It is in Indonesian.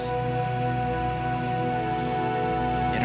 mungkin baterenya habis